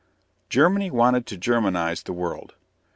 GERMANY WANTED TO GERMANIZE THE WORLD.